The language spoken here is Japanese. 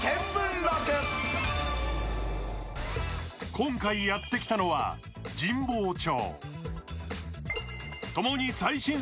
今回やってきたのは神保町。